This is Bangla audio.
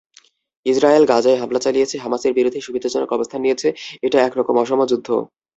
ইসরায়েল গাজায় হামলা চালিয়ে হামাসের বিরুদ্ধে সুবিধাজনক অবস্থান নিয়েছে—এটা একরকম অসম যুদ্ধ।